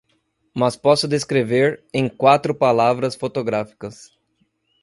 mas posso descrever, em quatro palavras fotográficas